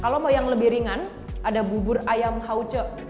kalau mau yang lebih ringan ada bubur ayam hauce